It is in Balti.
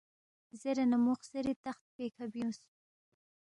زیرے نہ مو خسیری تخت پیکھہ بیُونگس